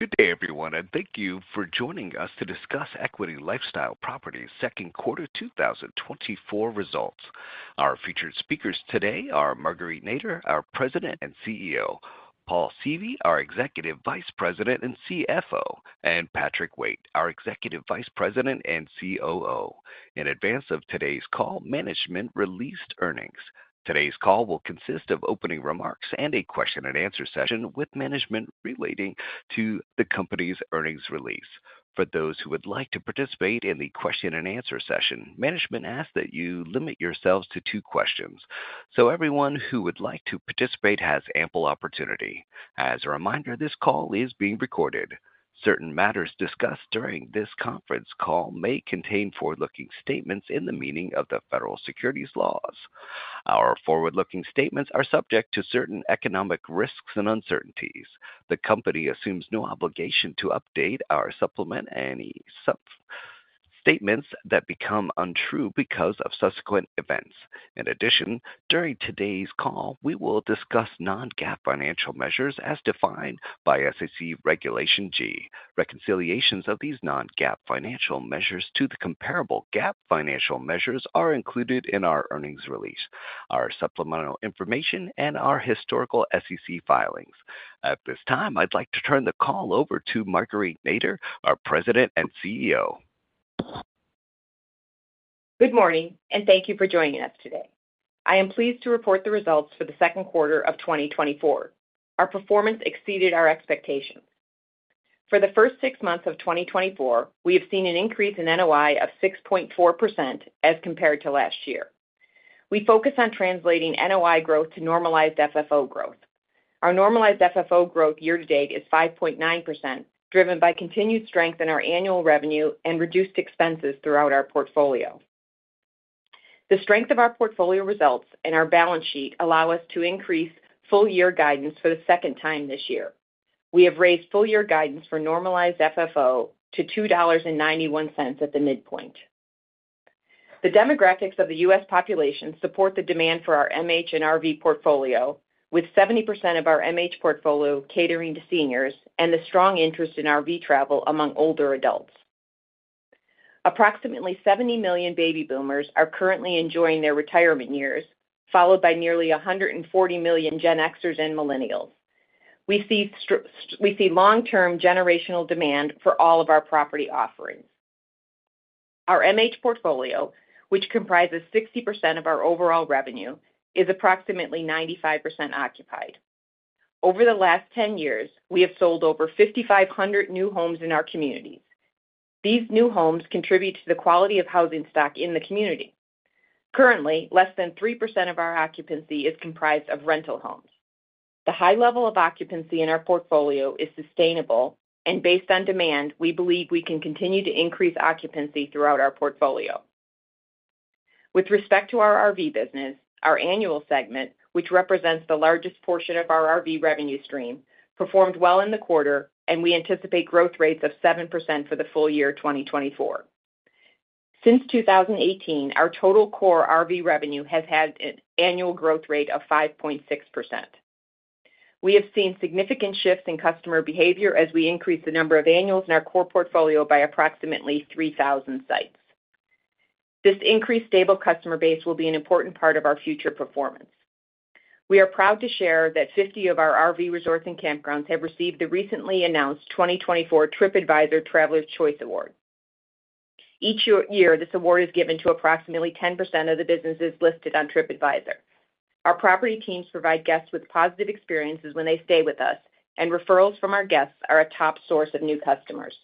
Good day, everyone, and thank you for joining us to discuss Equity LifeStyle Properties' second quarter 2024 results. Our featured speakers today are Marguerite Nader, our President and CEO; Paul Seavey, our Executive Vice President and CFO; and Patrick Waite, our Executive Vice President and COO. In advance of today's call, management released earnings. Today's call will consist of opening remarks and a question-and-answer session with management relating to the company's earnings release. For those who would like to participate in the question-and-answer session, management asks that you limit yourselves to two questions, so everyone who would like to participate has ample opportunity. As a reminder, this call is being recorded. Certain matters discussed during this conference call may contain forward-looking statements in the meaning of the federal securities laws. Our forward-looking statements are subject to certain economic risks and uncertainties. The company assumes no obligation to update or supplement any such statements that become untrue because of subsequent events. In addition, during today's call, we will discuss non-GAAP financial measures as defined by SEC Regulation G. Reconciliations of these non-GAAP financial measures to the comparable GAAP financial measures are included in our earnings release, our supplemental information, and our historical SEC filings. At this time, I'd like to turn the call over to Marguerite Nader, our President and CEO. Good morning, and thank you for joining us today. I am pleased to report the results for the second quarter of 2024. Our performance exceeded our expectations. For the first six months of 2024, we have seen an increase in NOI of 6.4% as compared to last year. We focus on translating NOI growth to normalized FFO growth. Our normalized FFO growth year to date is 5.9%, driven by continued strength in our annual revenue and reduced expenses throughout our portfolio. The strength of our portfolio results and our balance sheet allow us to increase full year guidance for the second time this year. We have raised full year guidance for normalized FFO to $2.91 at the midpoint. The demographics of the U.S. population support the demand for our MH and RV portfolio, with 70% of our MH portfolio catering to seniors and the strong interest in RV travel among older adults. Approximately 70 million baby boomers are currently enjoying their retirement years, followed by nearly 140 million Gen Xers and millennials. We see long-term generational demand for all of our property offerings. Our MH portfolio, which comprises 60% of our overall revenue, is approximately 95% occupied. Over the last 10 years, we have sold over 5,500 new homes in our communities. These new homes contribute to the quality of housing stock in the community. Currently, less than 3% of our occupancy is comprised of rental homes. The high level of occupancy in our portfolio is sustainable, and based on demand, we believe we can continue to increase occupancy throughout our portfolio. With respect to our RV business, our annual segment, which represents the largest portion of our RV revenue stream, performed well in the quarter, and we anticipate growth rates of 7% for the full year 2024. Since 2018, our total core RV revenue has had an annual growth rate of 5.6%. We have seen significant shifts in customer behavior as we increase the number of annuals in our core portfolio by approximately 3,000 sites. This increased stable customer base will be an important part of our future performance. We are proud to share that 50 of our RV resorts and campgrounds have received the recently announced 2024 TripAdvisor Travelers' Choice Award. Each year, this award is given to approximately 10% of the businesses listed on TripAdvisor. Our property teams provide guests with positive experiences when they stay with us, and referrals from our guests are a top source of new customers.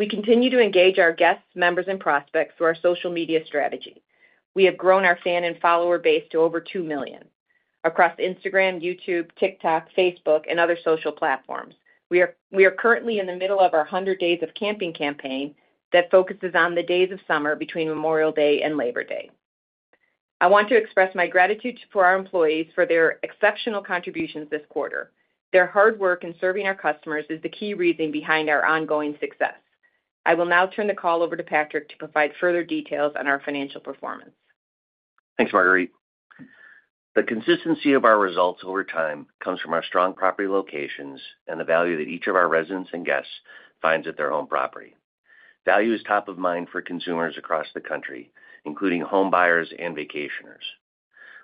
We continue to engage our guests, members, and prospects through our social media strategy. We have grown our fan and follower base to over 2 million across Instagram, YouTube, TikTok, Facebook, and other social platforms. We are currently in the middle of our Hundred Days of Camping campaign that focuses on the days of summer between Memorial Day and Labor Day. I want to express my gratitude to our employees for their exceptional contributions this quarter. Their hard work in serving our customers is the key reason behind our ongoing success. I will now turn the call over to Patrick to provide further details on our financial performance. Thanks, Marguerite. The consistency of our results over time comes from our strong property locations and the value that each of our residents and guests finds at their home property. Value is top of mind for consumers across the country, including home buyers and vacationers.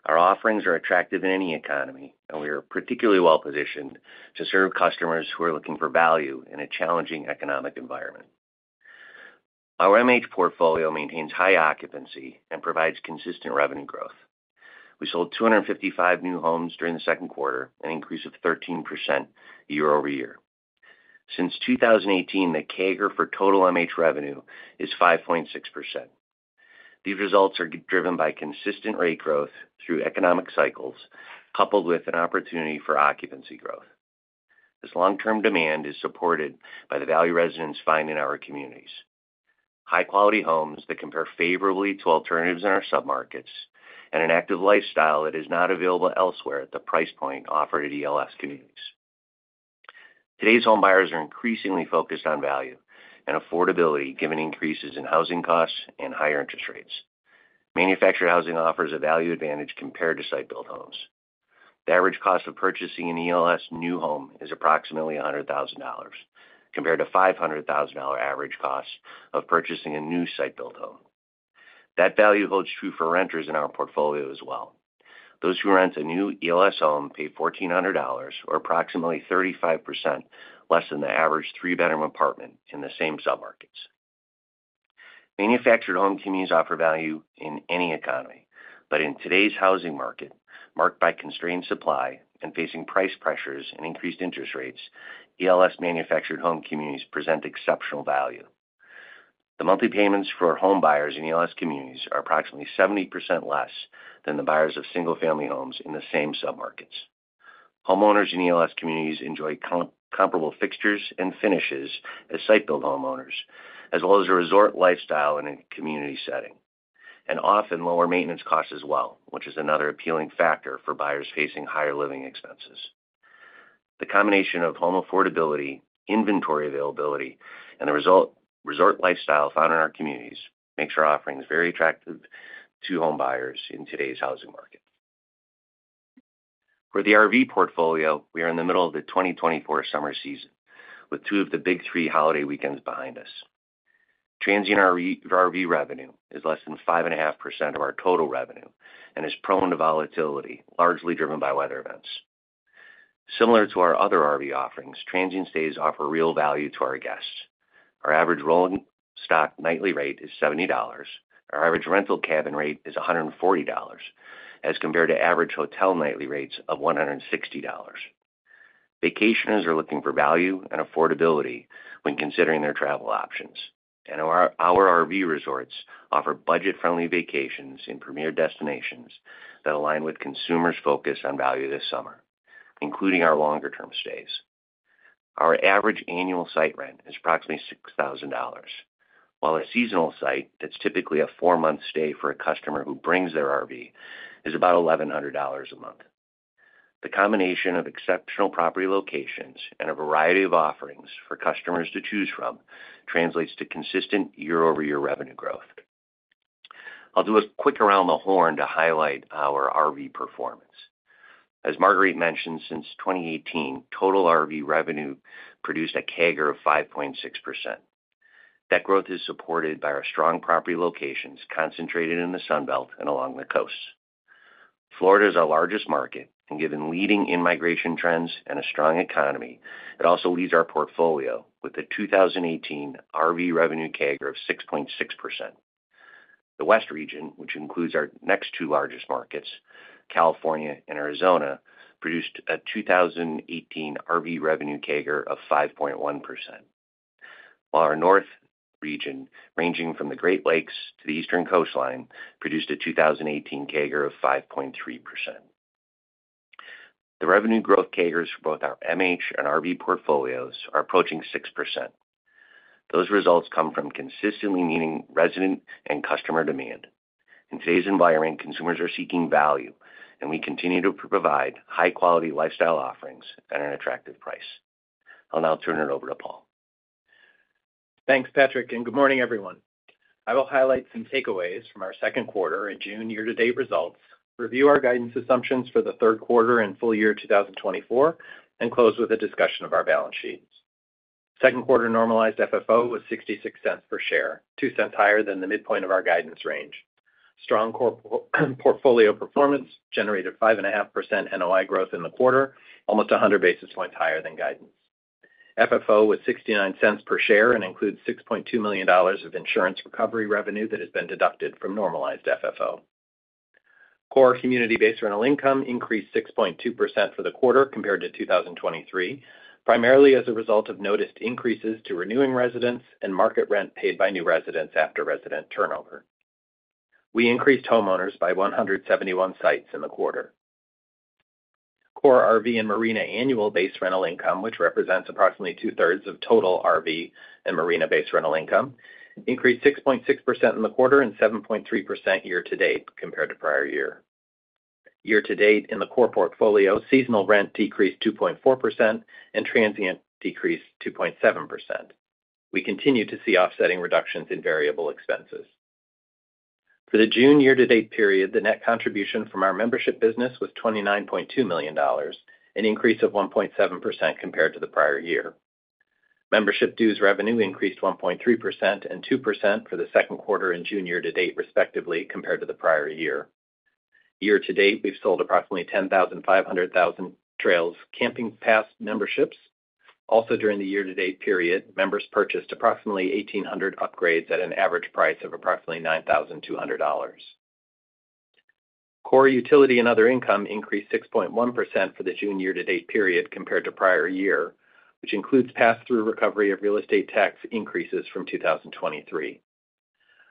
Our offerings are attractive in any economy, and we are particularly well positioned to serve customers who are looking for value in a challenging economic environment. Our MH portfolio maintains high occupancy and provides consistent revenue growth. We sold 255 new homes during the second quarter, an increase of 13% year over year. Since 2018, the CAGR for total MH revenue is 5.6%. These results are driven by consistent rate growth through economic cycles, coupled with an opportunity for occupancy growth. This long-term demand is supported by the value residents find in our communities, high-quality homes that compare favorably to alternatives in our submarkets, and an active lifestyle that is not available elsewhere at the price point offered at ELS communities. Today's home buyers are increasingly focused on value and affordability, given increases in housing costs and higher interest rates. Manufactured housing offers a value advantage compared to site-built homes. The average cost of purchasing an ELS new home is approximately $100,000, compared to $500,000 average cost of purchasing a new site-built home. That value holds true for renters in our portfolio as well. Those who rent a new ELS home pay $1,400 or approximately 35% less than the average three-bedroom apartment in the same submarkets. Manufactured home communities offer value in any economy, but in today's housing market, marked by constrained supply and facing price pressures and increased interest rates, ELS manufactured home communities present exceptional value. The monthly payments for homebuyers in ELS communities are approximately 70% less than the buyers of single-family homes in the same submarkets. Homeowners in ELS communities enjoy comparable fixtures and finishes as site-built homeowners, as well as a resort lifestyle in a community setting, and often lower maintenance costs as well, which is another appealing factor for buyers facing higher living expenses. The combination of home affordability, inventory availability, and the resulting resort lifestyle found in our communities makes our offerings very attractive to homebuyers in today's housing market. For the RV portfolio, we are in the middle of the 2024 summer season, with two of the big three holiday weekends behind us. Transient RV, RV revenue is less than 5.5% of our total revenue and is prone to volatility, largely driven by weather events. Similar to our other RV offerings, transient stays offer real value to our guests. Our average rolling stock nightly rate is $70. Our average rental cabin rate is $140, as compared to average hotel nightly rates of $160. Vacationers are looking for value and affordability when considering their travel options, and our RV resorts offer budget-friendly vacations in premier destinations that align with consumers focused on value this summer, including our longer-term stays. Our average annual site rent is approximately $6,000, while a seasonal site, that's typically a 4-month stay for a customer who brings their RV, is about $1,100 a month. The combination of exceptional property locations and a variety of offerings for customers to choose from translates to consistent year-over-year revenue growth. I'll do a quick around the horn to highlight our RV performance. As Marguerite mentioned, since 2018, total RV revenue produced a CAGR of 5.6%. That growth is supported by our strong property locations, concentrated in the Sun Belt and along the coasts. Florida is our largest market, and given leading in-migration trends and a strong economy, it also leads our portfolio with a 2018 RV revenue CAGR of 6.6%. The West region, which includes our next two largest markets, California and Arizona, produced a 2018 RV revenue CAGR of 5.1%, while our North region, ranging from the Great Lakes to the eastern coastline, produced a 2018 CAGR of 5.3%. The revenue growth CAGRs for both our MH and RV portfolios are approaching 6%. Those results come from consistently meeting resident and customer demand. In today's environment, consumers are seeking value, and we continue to provide high-quality lifestyle offerings at an attractive price. I'll now turn it over to Paul. Thanks, Patrick, and good morning, everyone. I will highlight some takeaways from our second quarter and June year-to-date results, review our guidance assumptions for the third quarter and full year 2024, and close with a discussion of our balance sheets. Second quarter normalized FFO was $0.66 per share, 2 cents higher than the midpoint of our guidance range. Strong core portfolio performance generated 5.5% NOI growth in the quarter, almost 100 basis points higher than guidance. FFO was $0.69 per share and includes $6.2 million of insurance recovery revenue that has been deducted from normalized FFO. Core community-based rental income increased 6.2% for the quarter compared to 2023, primarily as a result of noted increases to renewing residents and market rent paid by new residents after resident turnover. We increased homeowners by 171 sites in the quarter. Core RV and marina annual base rental income, which represents approximately two-thirds of total RV and marina-based rental income, increased 6.6% in the quarter and 7.3% year to date compared to prior year. Year to date, in the core portfolio, seasonal rent decreased 2.4%, and transient decreased 2.7%. We continue to see offsetting reductions in variable expenses. For the June year-to-date period, the net contribution from our membership business was $29.2 million, an increase of 1.7% compared to the prior year. Membership dues revenue increased 1.3% and 2% for the second quarter and June year-to-date, respectively, compared to the prior year. Year to date, we've sold approximately 10,500 Thousand Trails Camping Pass memberships. Also, during the year-to-date period, members purchased approximately 1,800 upgrades at an average price of approximately $9,200. Core utility and other income increased 6.1% for the June year-to-date period compared to prior year, which includes pass-through recovery of real estate tax increases from 2023.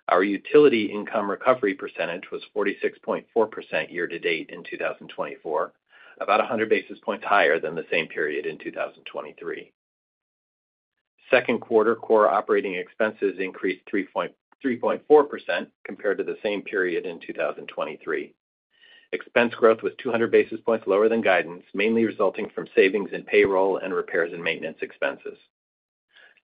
Our utility income recovery percentage was 46.4% year to date in 2024, about 100 basis points higher than the same period in 2023. Second quarter core operating expenses increased 3.4% compared to the same period in 2023. Expense growth was 200 basis points lower than guidance, mainly resulting from savings in payroll and repairs and maintenance expenses.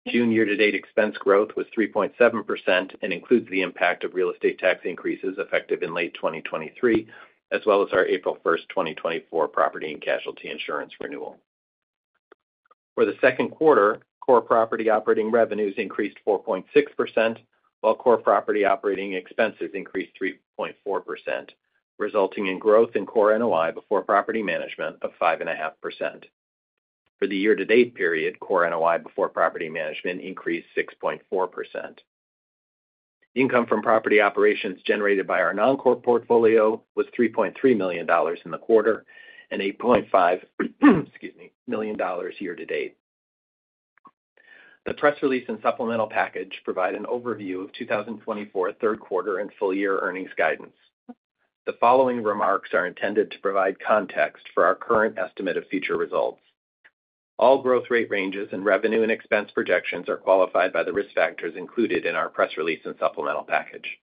June year-to-date expense growth was 3.7% and includes the impact of real estate tax increases effective in late 2023, as well as our April 1, 2024 property and casualty insurance renewal. For the second quarter, core property operating revenues increased 4.6%, while core property operating expenses increased 3.4%, resulting in growth in core NOI before property management of 5.5%. For the year-to-date period, core NOI before property management increased 6.4%. Income from property operations generated by our non-core portfolio was $3.3 million in the quarter and $8.5, excuse me, million year to date. The press release and supplemental package provide an overview of 2024 third quarter and full year earnings guidance. The following remarks are intended to provide context for our current estimate of future results. All growth rate ranges and revenue and expense projections are qualified by the risk factors included in our press release and supplemental package.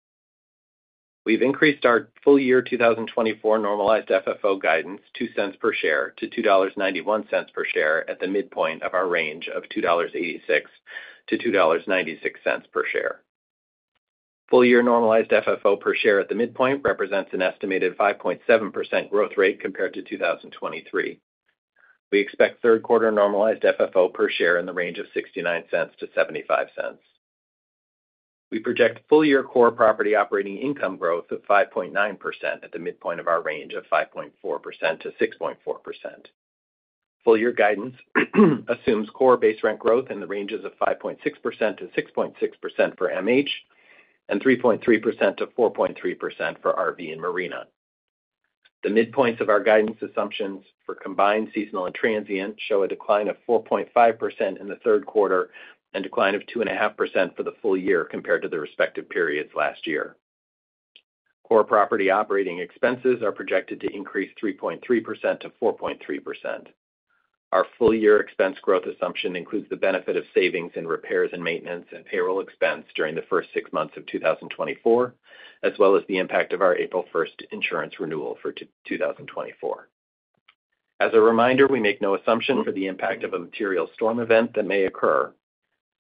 We've increased our full year 2024 normalized FFO guidance $0.02 per share to $2.91 per share at the midpoint of our range of $2.86-$2.96 per share. Full year normalized FFO per share at the midpoint represents an estimated 5.7% growth rate compared to 2023. We expect third quarter normalized FFO per share in the range of $0.69-$0.75. We project full year core property operating income growth of 5.9% at the midpoint of our range of 5.4%-6.4%. Full year guidance assumes core base rent growth in the ranges of 5.6%-6.6% for MH, and 3.3%-4.3% for RV and Marina. The midpoints of our guidance assumptions for combined, seasonal, and transient show a decline of 4.5% in the third quarter and decline of 2.5% for the full year compared to the respective periods last year. Core property operating expenses are projected to increase 3.3%-4.3%. Our full year expense growth assumption includes the benefit of savings in repairs and maintenance and payroll expense during the first six months of 2024, as well as the impact of our April 1 insurance renewal for 2024. As a reminder, we make no assumption for the impact of a material storm event that may occur.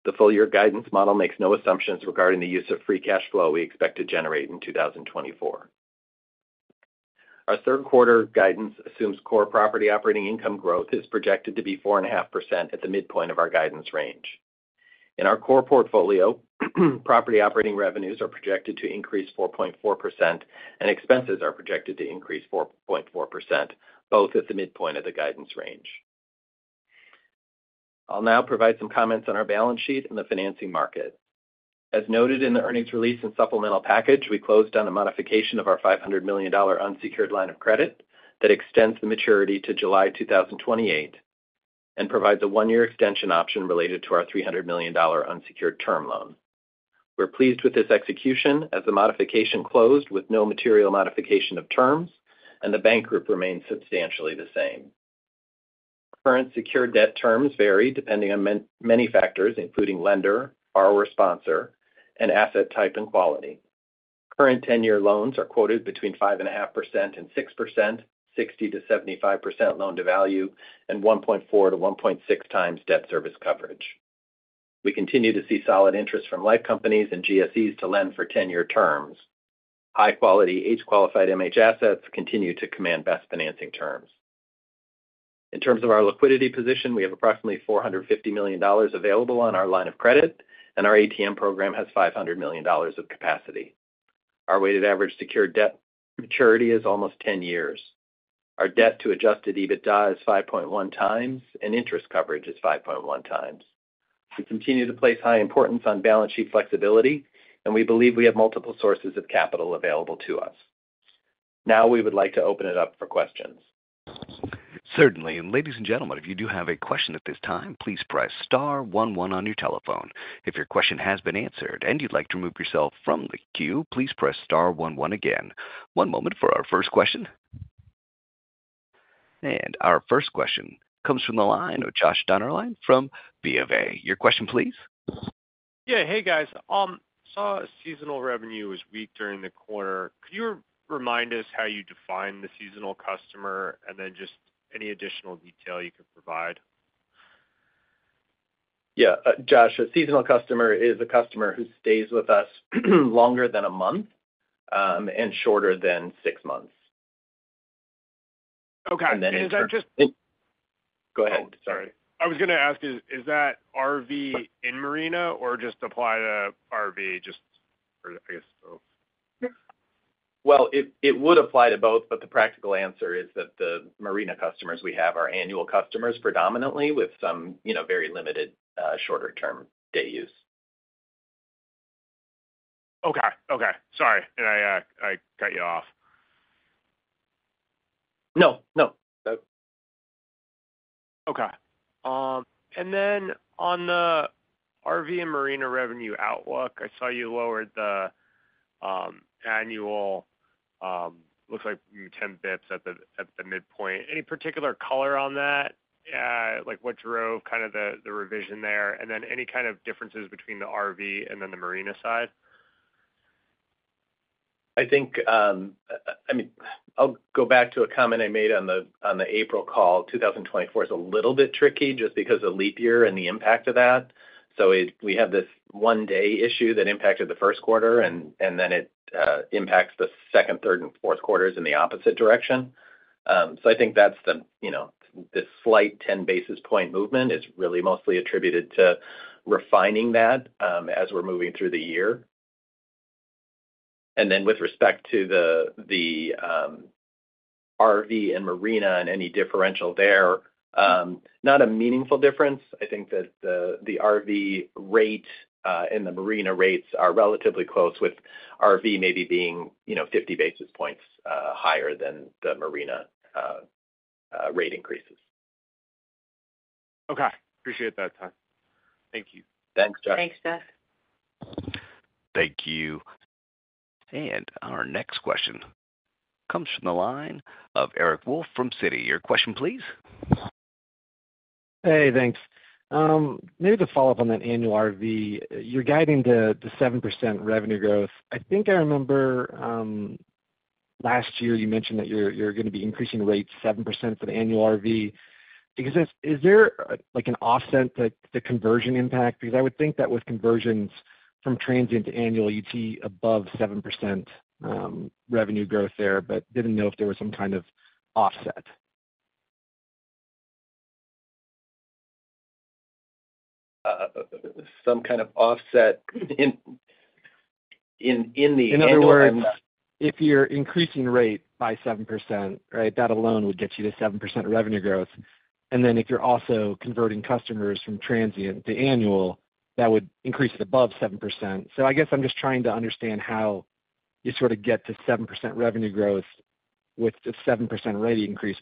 The full year guidance model makes no assumptions regarding the use of free cash flow we expect to generate in 2024. Our third quarter guidance assumes core property operating income growth is projected to be 4.5% at the midpoint of our guidance range. In our core portfolio, property operating revenues are projected to increase 4.4%, and expenses are projected to increase 4.4%, both at the midpoint of the guidance range. I'll now provide some comments on our balance sheet and the financing market. As noted in the earnings release and supplemental package, we closed on a modification of our $500 million unsecured line of credit that extends the maturity to July 2028, and provides a 1-year extension option related to our $300 million unsecured term loan. We're pleased with this execution, as the modification closed with no material modification of terms, and the bank group remains substantially the same. Current secured debt terms vary depending on many factors, including lender, borrower sponsor, and asset type and quality. Current 10-year loans are quoted between 5.5% and 6%, 60%-75% loan-to-value, and 1.4-1.6 times debt service coverage. We continue to see solid interest from life companies and GSEs to lend for 10-year terms. High-quality, age-qualified MH assets continue to command best financing terms. In terms of our liquidity position, we have approximately $450 million available on our line of credit, and our ATM program has $500 million of capacity. Our weighted average secured debt maturity is almost 10 years. Our debt-to-Adjusted EBITDA is 5.1 times, and interest coverage is 5.1 times. We continue to place high importance on balance sheet flexibility, and we believe we have multiple sources of capital available to us. Now, we would like to open it up for questions. Certainly. Ladies and gentlemen, if you do have a question at this time, please press star one one on your telephone. If your question has been answered and you'd like to remove yourself from the queue, please press star one one again. One moment for our first question. Our first question comes from the line of Joshua Dennerlein from BofA. Your question, please. Yeah. Hey, guys. Saw seasonal revenue was weak during the quarter. Could you remind us how you define the seasonal customer, and then just any additional detail you could provide? Yeah, Josh, a seasonal customer is a customer who stays with us longer than a month, and shorter than six months. Okay. And then- Is that just- Go ahead. Sorry. Oh, sorry. I was gonna ask, is that RV in Marina or just apply to RV just for, I guess, so? Well, it would apply to both, but the practical answer is that the marina customers we have are annual customers, predominantly with some, you know, very limited shorter-term day use. Okay. Okay. Sorry, did I I cut you off. No, no. Okay. And then on the RV and marina revenue outlook, I saw you lowered the annual, looks like 10 basis points at the midpoint. Any particular color on that? Like, what drove kind of the revision there? And then any kind of differences between the RV and then the marina side?... I think, I mean, I'll go back to a comment I made on the, on the April call. 2024 is a little bit tricky, just because of leap year and the impact of that. So we have this one-day issue that impacted the first quarter, and then it impacts the second, third, and fourth quarters in the opposite direction. So I think that's the, you know, the slight 10 basis point movement is really mostly attributed to refining that, as we're moving through the year. And then with respect to the RV and marina and any differential there, not a meaningful difference. I think that the RV rate and the marina rates are relatively close, with RV maybe being, you know, 50 basis points higher than the marina rate increases. Okay. Appreciate that, Pat. Thank you. Thanks, Josh. Thanks, Josh. Thank you. And our next question comes from the line of Eric Wolfe from Citi. Your question, please? Hey, thanks. Maybe to follow up on that annual RV, you're guiding the 7% revenue growth. I think I remember last year you mentioned that you're gonna be increasing the rate 7% for the annual RV. Because is there like an offset that the conversion impact? Because I would think that with conversions from transient to annual, you'd see above 7% revenue growth there, but didn't know if there was some kind of offset. some kind of offset in the annual- In other words, if you're increasing the rate by 7%, right, that alone would get you to 7% revenue growth. And then if you're also converting customers from transient to annual, that would increase it above 7%. So I guess I'm just trying to understand how you sort of get to 7% revenue growth with the 7% rate increase,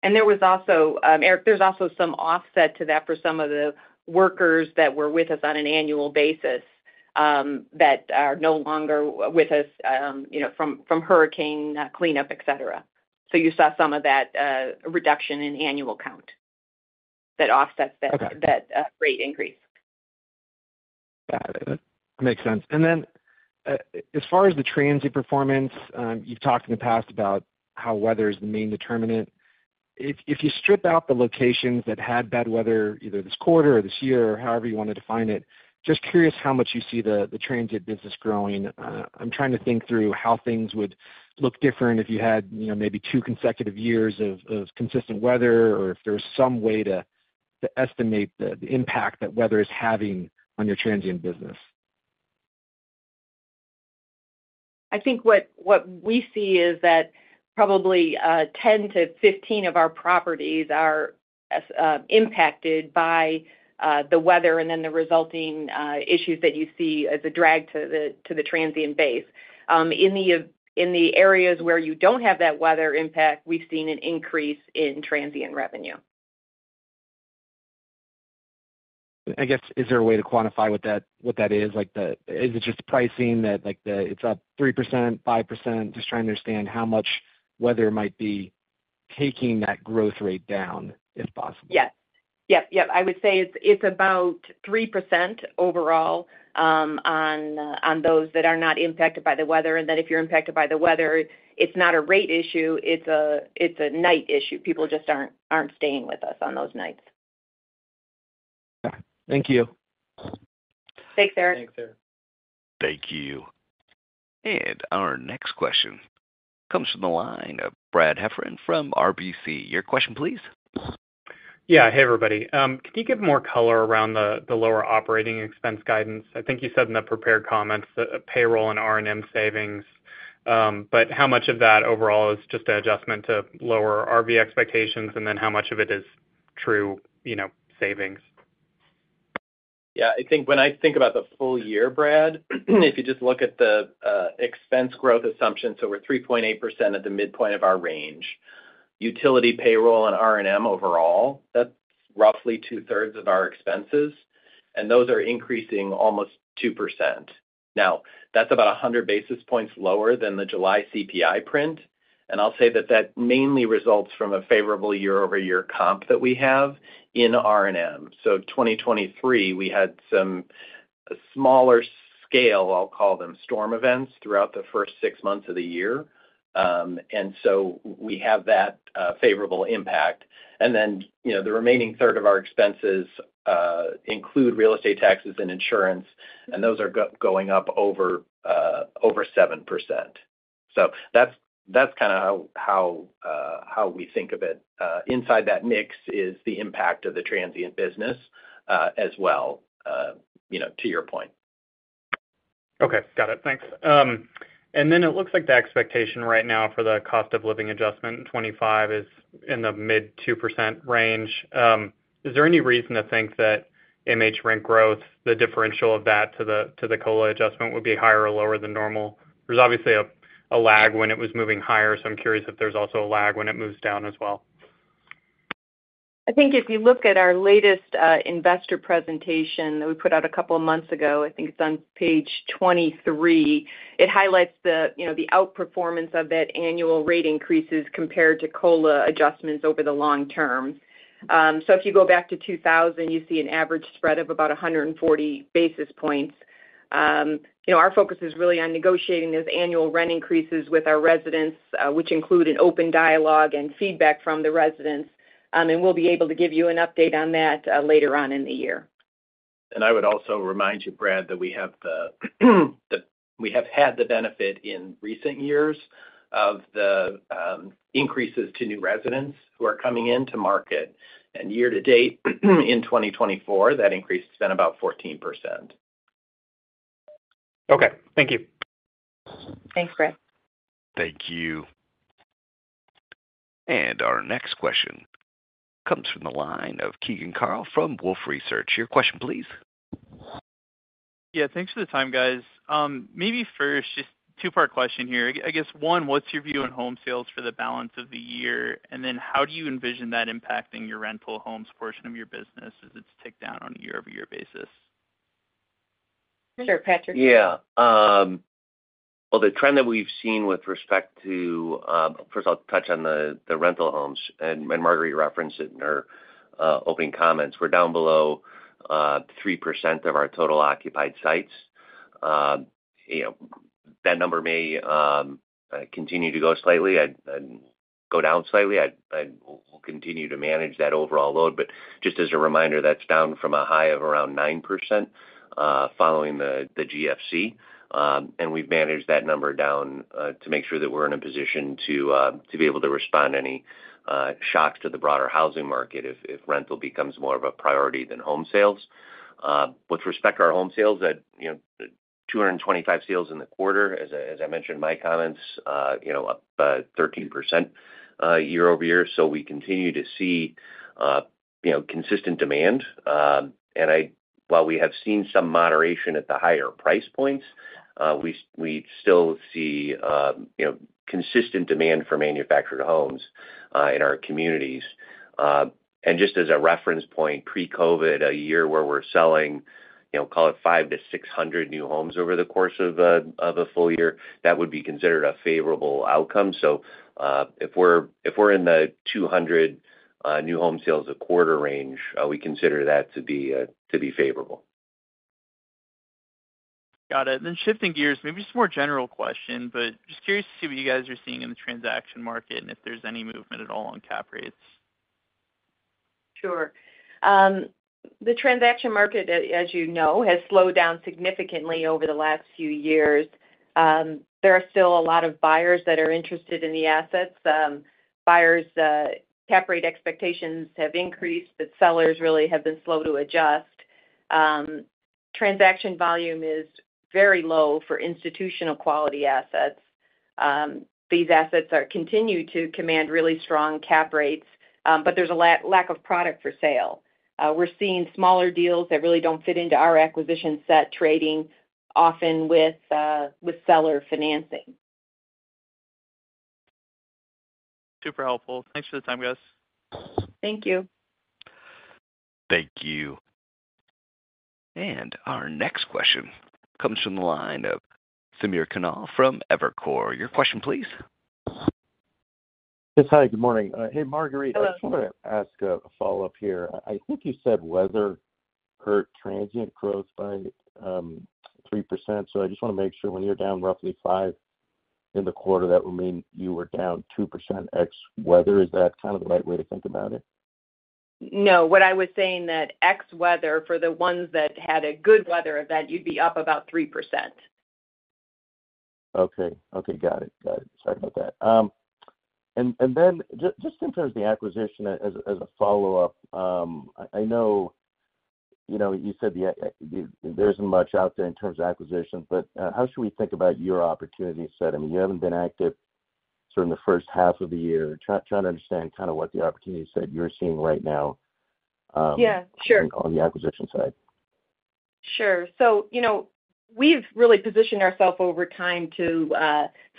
plus the incremental impact from converting customers from transient to annual. There was also, Eric, there's also some offset to that for some of the workers that were with us on an annual basis, that are no longer with us, you know, from hurricane cleanup, et cetera. So you saw some of that reduction in annual count that offsets that- Okay... that, rate increase. Got it. That makes sense. And then, as far as the transient performance, you've talked in the past about how weather is the main determinant. If you strip out the locations that had bad weather, either this quarter or this year, or however you want to define it, just curious how much you see the transient business growing. I'm trying to think through how things would look different if you had, you know, maybe two consecutive years of consistent weather, or if there was some way to estimate the impact that weather is having on your transient business. I think what we see is that probably 10-15 of our properties are impacted by the weather and then the resulting issues that you see as a drag to the transient base. In the areas where you don't have that weather impact, we've seen an increase in transient revenue. I guess, is there a way to quantify what that is? Like, the— Is it just pricing, that, like, the, it's up 3%, 5%? Just trying to understand how much weather might be taking that growth rate down, if possible. Yes. Yep, yep. I would say it's about 3% overall on those that are not impacted by the weather. And then if you're impacted by the weather, it's not a rate issue, it's a night issue. People just aren't staying with us on those nights. Okay. Thank you. Thanks, Eric. Thanks, Eric. Thank you. Our next question comes from the line of Brad Heffron from RBC. Your question, please. Yeah. Hey, everybody. Can you give more color around the lower operating expense guidance? I think you said in the prepared comments that payroll and R&M savings, but how much of that overall is just an adjustment to lower RV expectations, and then how much of it is true, you know, savings? Yeah. I think when I think about the full year, Brad, if you just look at the expense growth assumptions over 3.8% at the midpoint of our range, utility, payroll, and R&M overall, that's roughly two-thirds of our expenses, and those are increasing almost 2%. Now, that's about 100 basis points lower than the July CPI print, and I'll say that that mainly results from a favorable year-over-year comp that we have in R&M. So 2023, we had some smaller scale, I'll call them, storm events, throughout the first six months of the year. And so we have that favorable impact. And then, you know, the remaining third of our expenses include real estate taxes and insurance, and those are going up over 7%. So that's kinda how we think of it. Inside that mix is the impact of the transient business, as well, you know, to your point. Okay. Got it. Thanks. And then it looks like the expectation right now for the cost of living adjustment in 2025 is in the mid-2% range. Is there any reason to think that MH rent growth, the differential of that to the COLA adjustment, would be higher or lower than normal? There's obviously a lag when it was moving higher, so I'm curious if there's also a lag when it moves down as well.... I think if you look at our latest investor presentation that we put out a couple of months ago, I think it's on page 23, it highlights the, you know, the outperformance of that annual rate increases compared to COLA adjustments over the long term. So if you go back to 2000, you see an average spread of about 140 basis points. You know, our focus is really on negotiating those annual rent increases with our residents, which include an open dialogue and feedback from the residents. And we'll be able to give you an update on that later on in the year. I would also remind you, Brad, that we have had the benefit in recent years of the increases to new residents who are coming into market. Year to date, in 2024, that increase has been about 14%. Okay. Thank you. Thanks, Brad. Thank you. Our next question comes from the line of Keegan Carl from Wolfe Research. Your question, please. Yeah, thanks for the time, guys. Maybe first, just two-part question here. I guess one, what's your view on home sales for the balance of the year? And then how do you envision that impacting your rental homes portion of your business as it's ticked down on a year-over-year basis? Sure, Patrick. Yeah, well, the trend that we've seen with respect to... First, I'll touch on the rental homes, and Marguerite referenced it in her opening comments. We're down below 3% of our total occupied sites. You know, that number may continue to go down slightly. We'll continue to manage that overall load, but just as a reminder, that's down from a high of around 9% following the GFC. And we've managed that number down to make sure that we're in a position to be able to respond to any shocks to the broader housing market if rental becomes more of a priority than home sales. With respect to our home sales, at you know 225 sales in the quarter, as I mentioned in my comments, you know, up 13% year-over-year. So we continue to see you know consistent demand. While we have seen some moderation at the higher price points, we still see you know consistent demand for manufactured homes in our communities. And just as a reference point, pre-COVID, a year where we're selling you know call it 500-600 new homes over the course of a full year, that would be considered a favorable outcome. So if we're in the 200 new home sales a quarter range, we consider that to be favorable. Got it. Then shifting gears, maybe it's a more general question, but just curious to see what you guys are seeing in the transaction market and if there's any movement at all on cap rates. Sure. The transaction market, as you know, has slowed down significantly over the last few years. There are still a lot of buyers that are interested in the assets. Buyers, cap rate expectations have increased, but sellers really have been slow to adjust. Transaction volume is very low for institutional-quality assets. These assets are continue to command really strong cap rates, but there's a lack of product for sale. We're seeing smaller deals that really don't fit into our acquisition set, trading often with seller financing. Super helpful. Thanks for the time, guys. Thank you. Thank you. And our next question comes from the line of Samir Khanal from Evercore. Your question, please. Yes. Hi, good morning. Hey, Marguerite. Hello. I just wanna ask a follow-up here. I think you said weather hurt transient growth by 3%. So I just wanna make sure when you're down roughly 5% in the quarter, that would mean you were down 2% ex weather. Is that kind of the right way to think about it? No, what I was saying that ex weather, for the ones that had a good weather event, you'd be up about 3%. Okay. Okay, got it. Got it. Sorry about that. And then just in terms of the acquisition, as a follow-up, I know, you know, you said that there isn't much out there in terms of acquisitions, but how should we think about your opportunity set? I mean, you haven't been active sort of in the first half of the year. Trying to understand kind of what the opportunity set you're seeing right now. Yeah, sure. on the acquisition side. Sure. So, you know, we've really positioned ourself over time to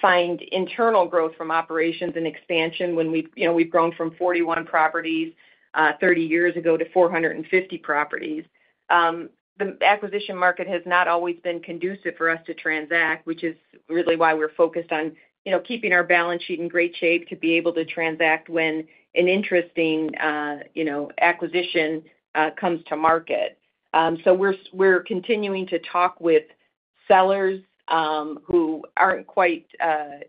find internal growth from operations and expansion when we've, you know, we've grown from 41 properties 30 years ago to 450 properties. The acquisition market has not always been conducive for us to transact, which is really why we're focused on, you know, keeping our balance sheet in great shape to be able to transact when an interesting, you know, acquisition comes to market. So we're continuing to talk with sellers who aren't quite,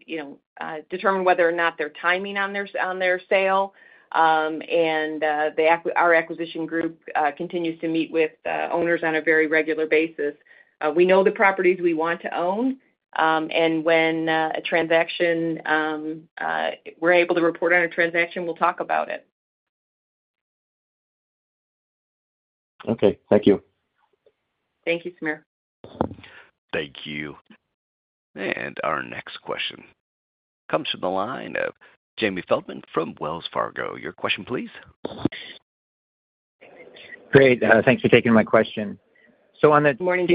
you know, determined whether or not they're timing on their, on their sale. And our acquisition group continues to meet with owners on a very regular basis. We know the properties we want to own, and when a transaction we're able to report on a transaction, we'll talk about it. Okay. Thank you. Thank you, Samir. Thank you. Our next question comes from the line of Jamie Feldman from Wells Fargo. Your question, please?... Great. Thanks for taking my question. So on the- Good morning.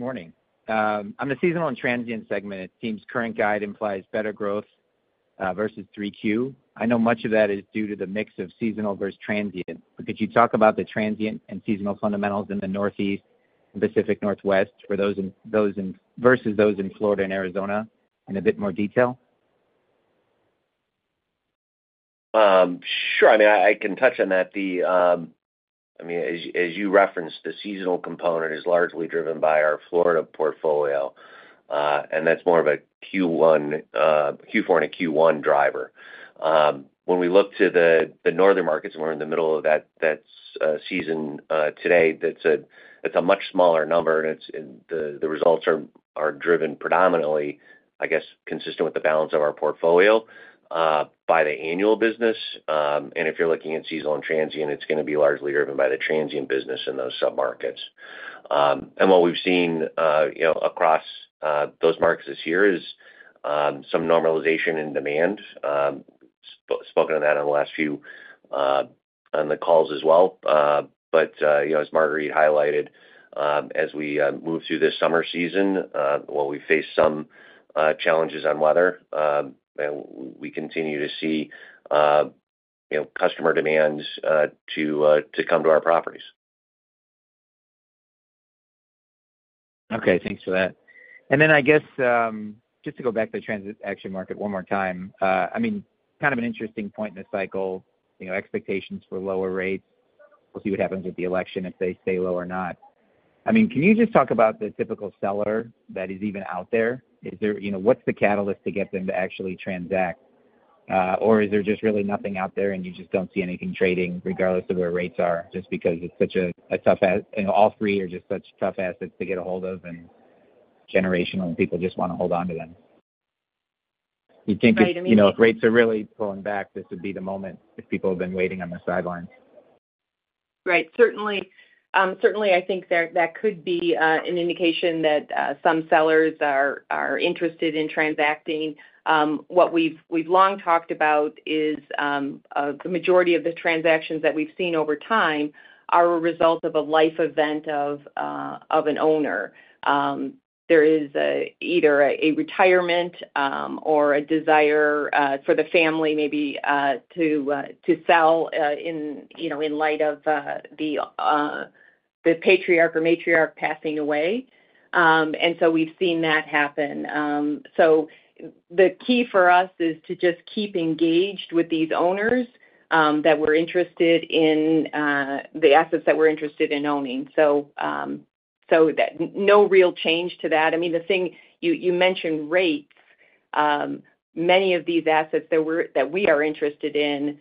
Morning. On the seasonal and transient segment, it seems current guide implies better growth versus 3Q. I know much of that is due to the mix of seasonal versus transient, but could you talk about the transient and seasonal fundamentals in the Northeast and Pacific Northwest for those in versus those in Florida and Arizona in a bit more detail? Sure. I mean, I can touch on that. I mean, as you referenced, the seasonal component is largely driven by our Florida portfolio, and that's more of a Q1, Q4 and a Q1 driver. When we look to the northern markets, and we're in the middle of that season today, that's a much smaller number, and it's, and the results are driven predominantly, I guess, consistent with the balance of our portfolio, by the annual business. And if you're looking at seasonal and transient, it's gonna be largely driven by the transient business in those submarkets. And what we've seen, you know, across those markets this year is some normalization in demand. Spoken on that in the last few on the calls as well. But you know, as Marguerite highlighted, as we move through this summer season, while we face some challenges on weather, and we continue to see you know, customer demands to come to our properties. Okay, thanks for that. And then I guess, just to go back to the transaction market one more time, I mean, kind of an interesting point in the cycle, you know, expectations for lower rates. We'll see what happens with the election if they stay low or not. I mean, can you just talk about the typical seller that is even out there? Is there... You know, what's the catalyst to get them to actually transact? Or is there just really nothing out there, and you just don't see anything trading regardless of where rates are, just because it's such a tough, you know, all three are just such tough assets to get a hold of, and generationally, people just wanna hold on to them? Right, I mean- You think if, you know, if rates are really pulling back, this would be the moment if people have been waiting on the sidelines. Right. Certainly, certainly, I think that, that could be, an indication that, some sellers are, are interested in transacting. What we've, we've long talked about is, the majority of the transactions that we've seen over time are a result of a life event of, of an owner. There is a, either a retirement, or a desire, for the family maybe, to, to sell, in, you know, in light of, the, the patriarch or matriarch passing away. And so we've seen that happen. So the key for us is to just keep engaged with these owners, that we're interested in, the assets that we're interested in owning. So, so that no real change to that. I mean, the thing, you, you mentioned rates. Many of these assets that we're, that we are interested in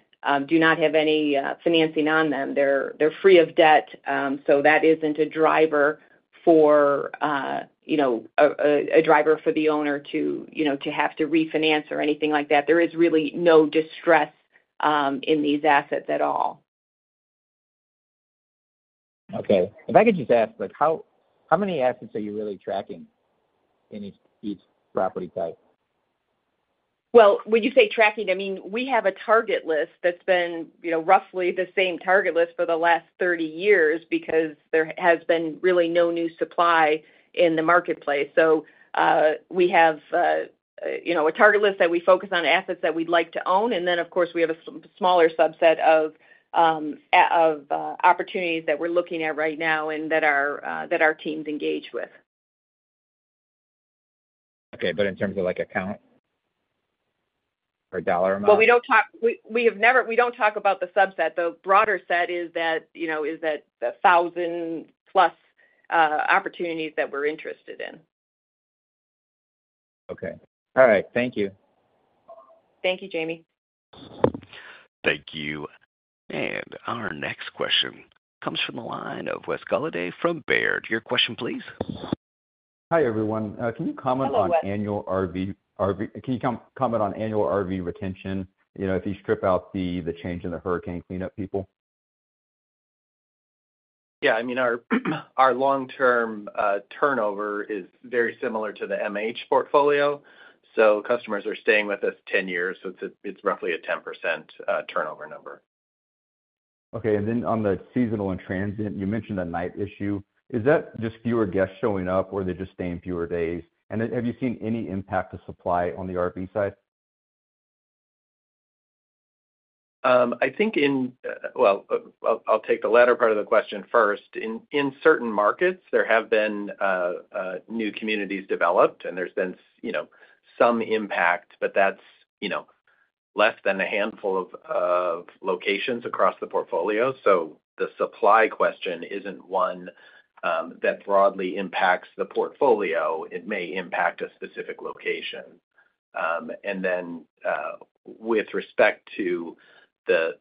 do not have any financing on them. They're free of debt, so that isn't a driver for, you know, a driver for the owner to, you know, to have to refinance or anything like that. There is really no distress in these assets at all. Okay. If I could just ask, like, how many assets are you really tracking in each property type? Well, when you say tracking, I mean, we have a target list that's been, you know, roughly the same target list for the last 30 years because there has been really no new supply in the marketplace. So, we have, you know, a target list that we focus on assets that we'd like to own. And then, of course, we have a smaller subset of opportunities that we're looking at right now and that our teams engage with. Okay, but in terms of, like, a count or dollar amount? Well, we don't talk about the subset. We have never talked about the subset. The broader set is that, you know, 1,000+ opportunities that we're interested in. Okay. All right, thank you. Thank you, Jamie. Thank you. Our next question comes from the line of Wes Golladay from Baird. Your question, please. Hi, everyone. Can you comment- Hello, Wes... on annual RV, can you comment on annual RV retention, you know, if you strip out the change in the hurricane cleanup people? Yeah, I mean, our long-term turnover is very similar to the MH portfolio, so customers are staying with us 10 years, so it's roughly a 10% turnover number. Okay. And then on the seasonal and transient, you mentioned a night issue. Is that just fewer guests showing up, or are they just staying fewer days? And then have you seen any impact to supply on the RV side? I think in... Well, I'll take the latter part of the question first. In certain markets, there have been new communities developed, and there's been, you know, some impact, but that's, you know, less than a handful of locations across the portfolio. So the supply question isn't one that broadly impacts the portfolio. It may impact a specific location. And then, with respect to the,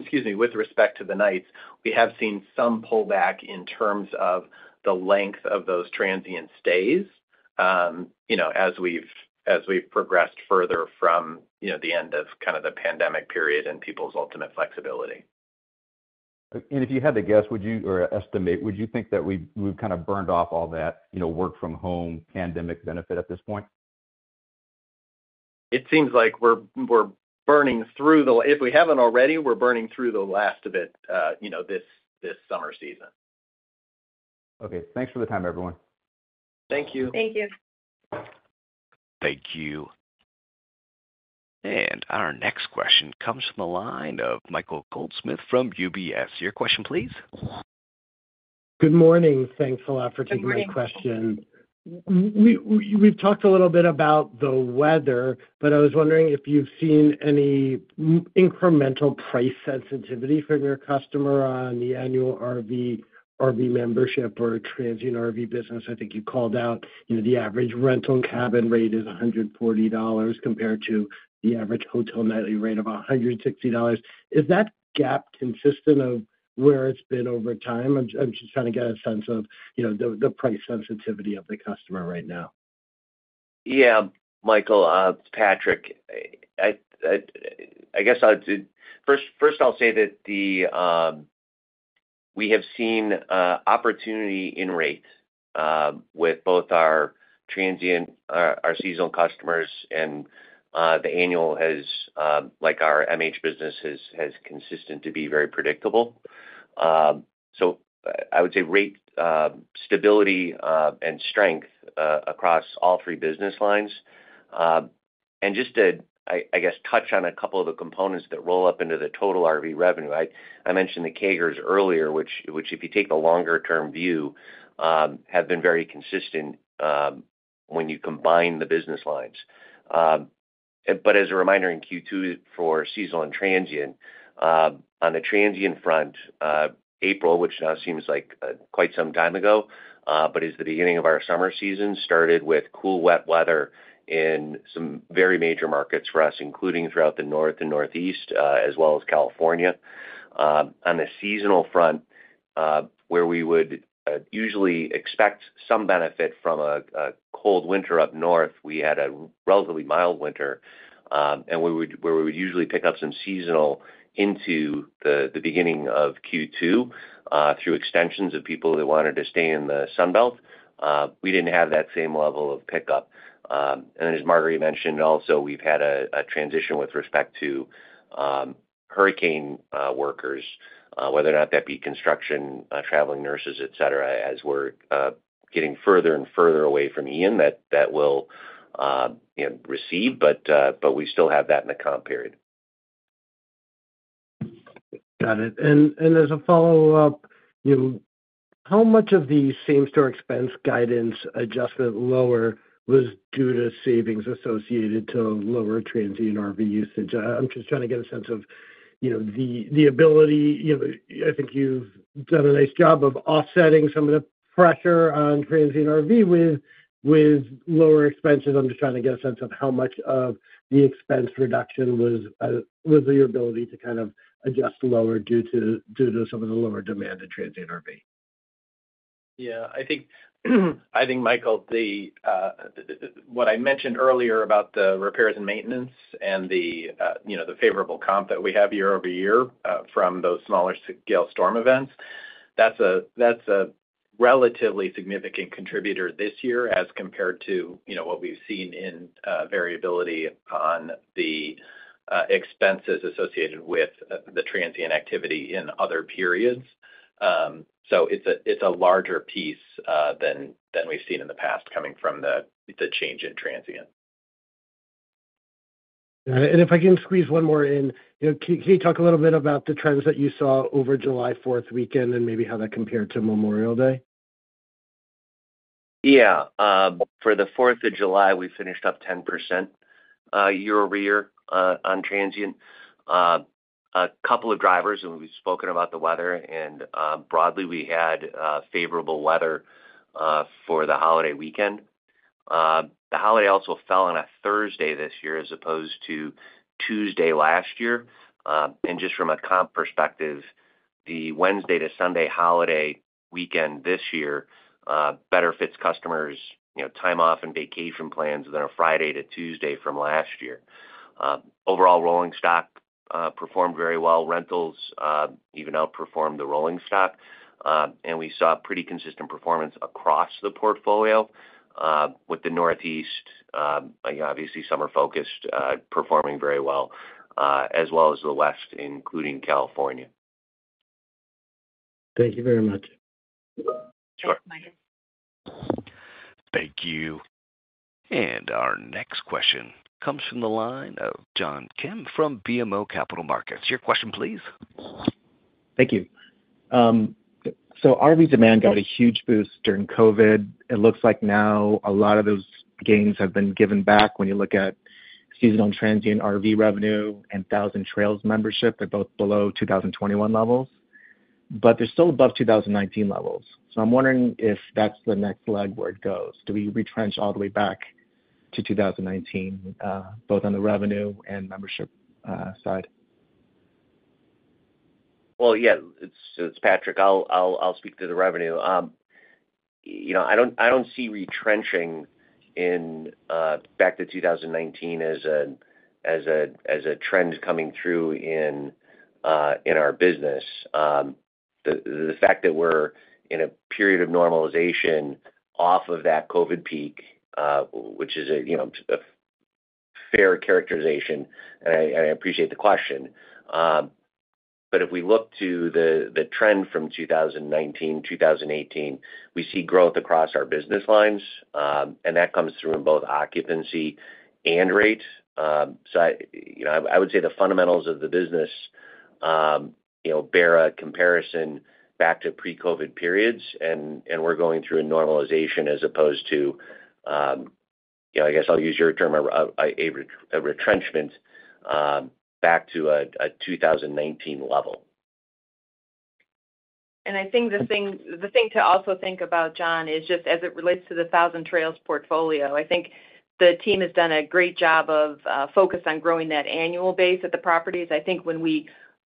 excuse me, with respect to the nights, we have seen some pullback in terms of the length of those transient stays, you know, as we've progressed further from, you know, the end of kind of the pandemic period and people's ultimate flexibility. If you had to guess, would you, or estimate, would you think that we've, we've kind of burned off all that, you know, work from home pandemic benefit at this point?... It seems like we're burning through the last of it, if we haven't already, you know, this summer season. Okay. Thanks for the time, everyone. Thank you. Thank you. Thank you. Our next question comes from the line of Michael Goldsmith from UBS. Your question, please. Good morning. Thanks a lot for taking my question. Good morning. We've talked a little bit about the weather, but I was wondering if you've seen any incremental price sensitivity from your customer on the annual RV membership or transient RV business. I think you called out, you know, the average rental and cabin rate is $140, compared to the average hotel nightly rate of $160. Is that gap consistent of where it's been over time? I'm just trying to get a sense of, you know, the price sensitivity of the customer right now. Yeah, Michael, it's Patrick. I guess I'll first say that the... We have seen opportunity in rate with both our transient our seasonal customers and the annual has like our MH business has continued to be very predictable. So I would say rate stability and strength across all three business lines. And just to I guess touch on a couple of the components that roll up into the total RV revenue. I mentioned the CAGRs earlier, which if you take the longer-term view have been very consistent when you combine the business lines. But as a reminder, in Q2 for seasonal and transient, on the transient front, April, which now seems like quite some time ago, but is the beginning of our summer season, started with cool, wet weather in some very major markets for us, including throughout the North and Northeast, as well as California. On the seasonal front, where we would usually expect some benefit from a cold winter up north, we had a relatively mild winter, and where we would usually pick up some seasonal into the beginning of Q2, through extensions of people who wanted to stay in the Sun Belt, we didn't have that same level of pickup. And as Marguerite mentioned, also, we've had a transition with respect to hurricane workers, whether or not that be construction, traveling nurses, et cetera, as we're getting further and further away from Ian, that will, you know, recede, but we still have that in the comp period. Got it. And as a follow-up, you know, how much of the same-store expense guidance adjustment lower was due to savings associated to lower transient RV usage? I'm just trying to get a sense of, you know, the ability... You know, I think you've done a nice job of offsetting some of the pressure on transient RV with lower expenses. I'm just trying to get a sense of how much of the expense reduction was the ability to kind of adjust lower due to some of the lower demand in transient RV. Yeah. I think, Michael, the... What I mentioned earlier about the repairs and maintenance and the, you know, the favorable comp that we have year-over-year, from those smaller scale storm events, that's a relatively significant contributor this year as compared to, you know, what we've seen in variability on the expenses associated with the transient activity in other periods. So it's a larger piece than we've seen in the past coming from the change in transient. All right. If I can squeeze one more in, you know, can you talk a little bit about the trends that you saw over July Fourth weekend and maybe how that compared to Memorial Day? Yeah. For the Fourth of July, we finished up 10%, year-over-year, on transient. A couple of drivers, and we've spoken about the weather, and, broadly, we had favorable weather for the holiday weekend. The holiday also fell on a Thursday this year, as opposed to Tuesday last year. And just from a comp perspective, the Wednesday to Sunday holiday weekend this year better fits customers', you know, time off and vacation plans than a Friday to Tuesday from last year. Overall, rolling stock performed very well. Rentals even outperformed the rolling stock, and we saw pretty consistent performance across the portfolio, with the Northeast, obviously, summer-focused, performing very well, as well as the West, including California. Thank you very much. Sure. Thank you. Our next question comes from the line of John Kim from BMO Capital Markets. Your question, please. Thank you. So RV demand got a huge boost during COVID. It looks like now a lot of those gains have been given back when you look at seasonal and transient RV revenue and Thousand Trails membership, they're both below 2021 levels, but they're still above 2019 levels. So I'm wondering if that's the next leg where it goes. Do we retrench all the way back to 2019, both on the revenue and membership, side? Well, yeah. It's, so it's Patrick. I'll speak to the revenue. You know, I don't see retrenching in back to 2019 as a trend coming through in our business. The fact that we're in a period of normalization off of that COVID peak, which is a fair characterization, and I appreciate the question. But if we look to the trend from 2019, 2018, we see growth across our business lines, and that comes through in both occupancy and rate. So, you know, I would say the fundamentals of the business, you know, bear a comparison back to pre-COVID periods, and we're going through a normalization as opposed to, you know, I guess I'll use your term, a retrenchment back to a 2019 level. I think the thing to also think about, John, is just as it relates to the Thousand Trails portfolio. I think the team has done a great job of focusing on growing that annual base at the properties. I think when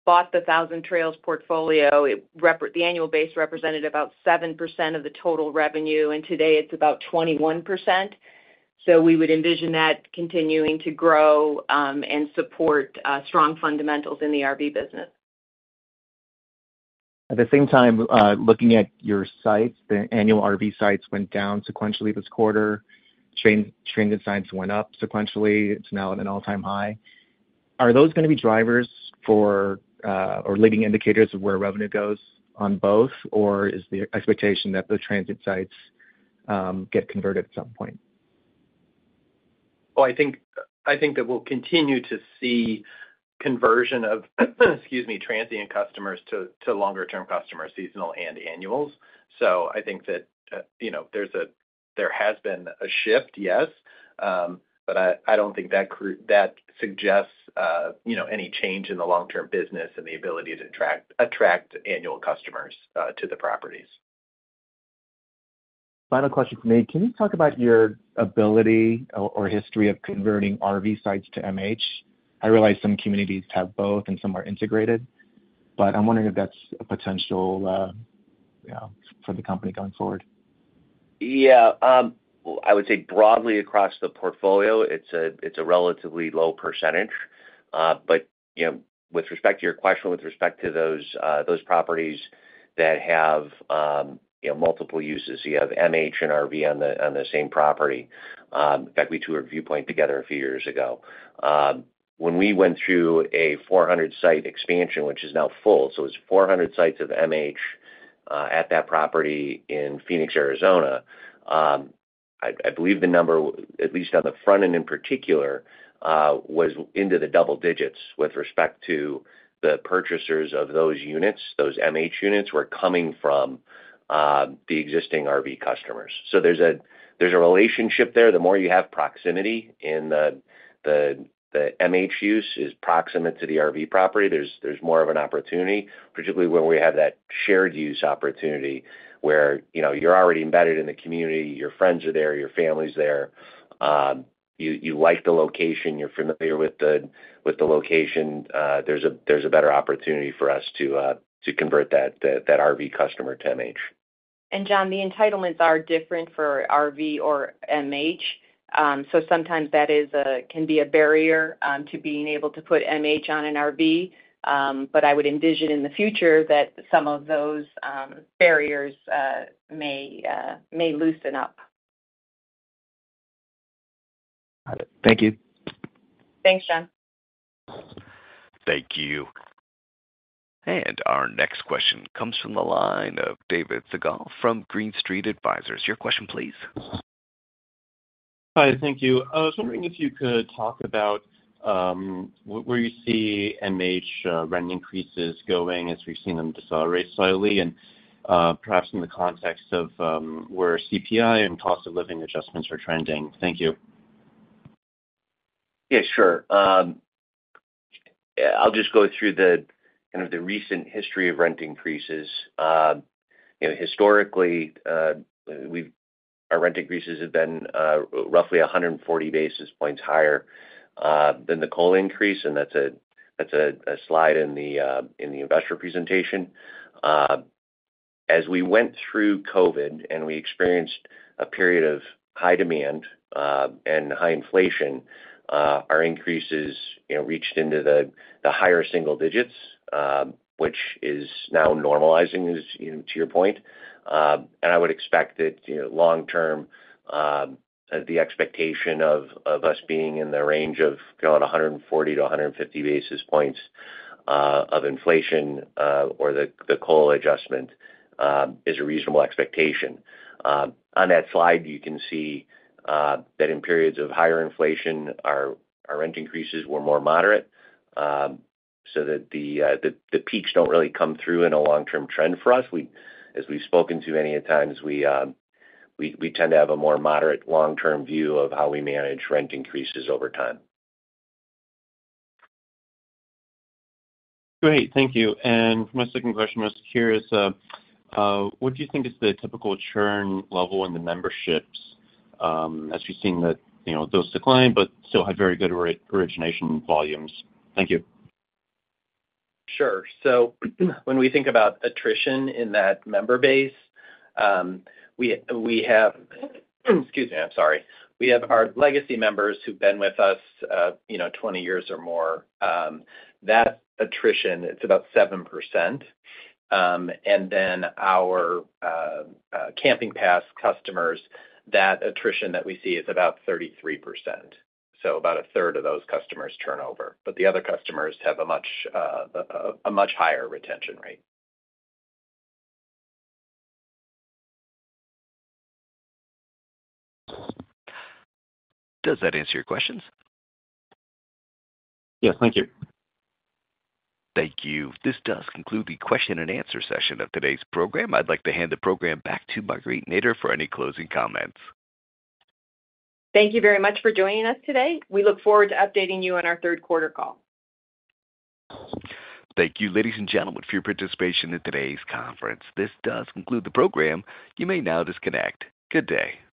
we bought the Thousand Trails portfolio, the annual base represented about 7% of the total revenue, and today it's about 21%. So we would envision that continuing to grow and support strong fundamentals in the RV business. At the same time, looking at your sites, the annual RV sites went down sequentially this quarter. Transient sites went up sequentially. It's now at an all-time high. Are those gonna be drivers for or leading indicators of where revenue goes on both? Or is the expectation that the transient sites get converted at some point? Well, I think that we'll continue to see conversion of, excuse me, transient customers to longer term customers, seasonal and annuals. So I think that, you know, there has been a shift, yes, but I don't think that that suggests, you know, any change in the long-term business and the ability to attract annual customers to the properties. Final question for me. Can you talk about your ability or history of converting RV sites to MH? I realize some communities have both and some are integrated, but I'm wondering if that's a potential, you know, for the company going forward. Yeah, I would say broadly across the portfolio, it's a relatively low percentage. But, you know, with respect to your question, with respect to those properties that have, you know, multiple uses, you have MH and RV on the same property, in fact, we toured Viewpoint together a few years ago. When we went through a 400-site expansion, which is now full, so it's 400 sites of MH, at that property in Phoenix, Arizona, I believe the number, at least on the front end in particular, was into the double digits with respect to the purchasers of those units. Those MH units were coming from the existing RV customers. So there's a relationship there. The more you have proximity in the MH use is proximate to the RV property, there's more of an opportunity, particularly when we have that shared use opportunity, where, you know, you're already embedded in the community, your friends are there, your family's there, you like the location, you're familiar with the location, there's a better opportunity for us to convert that RV customer to MH. And John, the entitlements are different for RV or MH. So sometimes that can be a barrier to being able to put MH on an RV. But I would envision in the future that some of those barriers may loosen up. Got it. Thank you. Thanks, John. Thank you. Our next question comes from the line of David Segal from Green Street Advisors. Your question, please. Hi, thank you. I was wondering if you could talk about where you see MH rent increases going, as we've seen them decelerate slightly, and perhaps in the context of where CPI and cost of living adjustments are trending. Thank you. Yeah, sure. I'll just go through the, kind of the recent history of rent increases. You know, historically, we've our rent increases have been, roughly 140 basis points higher, than the COLA increase, and that's a slide in the, in the investor presentation. As we went through COVID, and we experienced a period of high demand, and high inflation, our increases, you know, reached into the, the higher single digits, which is now normalizing as, you know, to your point. And I would expect that, you know, long term, the expectation of, of us being in the range of around 140 to 150 basis points, of inflation, or the, the COLA adjustment, is a reasonable expectation. On that slide, you can see that in periods of higher inflation, our rent increases were more moderate, so that the peaks don't really come through in a long-term trend for us. As we've spoken to many a times, we tend to have a more moderate, long-term view of how we manage rent increases over time. Great. Thank you. And my second question, I was curious, what do you think is the typical churn level in the memberships? As we've seen that, you know, those decline, but still have very good origination volumes. Thank you. Sure. So when we think about attrition in that member base, we have our legacy members who've been with us, you know, 20 years or more. That attrition, it's about 7%. And then our Camping Pass customers, that attrition that we see is about 33%. So about a third of those customers turnover, but the other customers have a much higher retention rate. Does that answer your questions? Yes. Thank you. Thank you. This does conclude the question and answer session of today's program. I'd like to hand the program back to Marguerite Nader for any closing comments. Thank you very much for joining us today. We look forward to updating you on our third quarter call. Thank you, ladies and gentlemen, for your participation in today's conference. This does conclude the program. You may now disconnect. Good day.